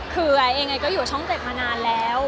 คือไอ้เองก็อยู่ช่องเจ็ดมานานแล้ว